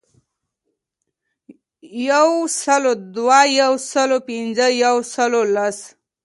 یو سلو دوه، یو سلو پنځه ،یو سلو لس .